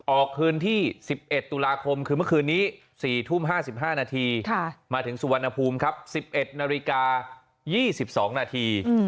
ออกคืนที่๑๑ตุลาคมคือเมื่อคืนนี้๔ทุ่ม๕๕นาทีมาถึงสุวรรณภูมิครับ๑๑นาฬิกา๒๒นาที